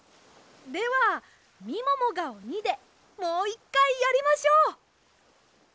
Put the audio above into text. ではみももがおにでもういっかいやりましょう！